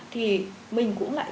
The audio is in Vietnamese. thì mình cũng lại